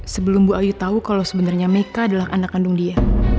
sebelum bu ayu tahu kalau sebenarnya meka adalah anak kandung dia